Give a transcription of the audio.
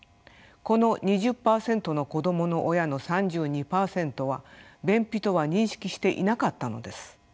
この２０％の子どもの親の３２％は便秘とは認識していなかったのです。